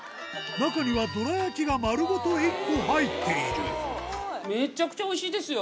中にはどら焼きが丸ごと１個めちゃくちゃおいしいですよ。